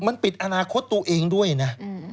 มันปิดอนาคตตัวเองด้วยนะ